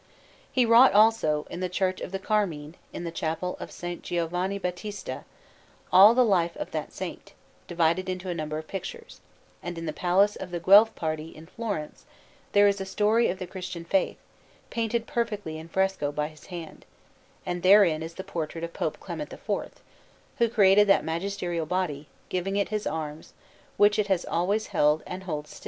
He wrought, also, in the Church of the Carmine, in the Chapel of S. Giovanni Battista, all the life of that Saint, divided into a number of pictures; and in the Palace of the Guelph party, in Florence, there is a story of the Christian Faith, painted perfectly in fresco by his hand; and therein is the portrait of Pope Clement IV, who created that magisterial body, giving it his arms, which it has always held and holds still.